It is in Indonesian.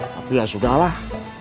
tapi ya sudahlah